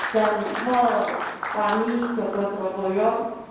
dan pasar pani jogoswapoyo